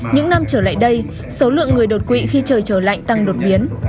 những năm trở lại đây số lượng người đột quỵ khi trời trở lạnh tăng đột biến